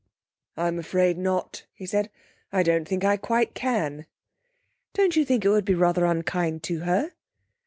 'I'm afraid not,' he said. 'I don't think I quite can.' 'Don't you think it would be rather unkind to her?'